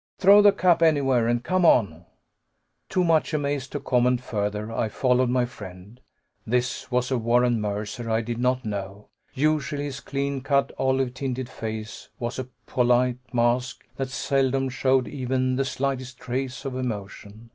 "Throw the cap anywhere and come on!" Too much amazed to comment further, I followed my friend. This was a Warren Mercer I did not know. Usually his clean cut, olive tinted face was a polite mask that seldom showed even the slightest trace of emotion.